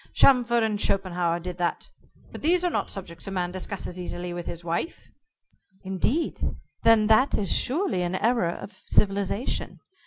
Chamfort and Schopenhauer did that. But these are not subjects a man discusses easily with his wife." "Indeed? Then that is surely an error of civilization.